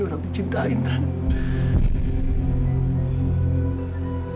udah dicintain tante